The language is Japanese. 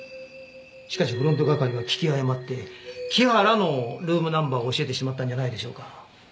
しかしフロント係は聞き誤って木原のルームナンバーを教えてしまったんじゃないでしょうか。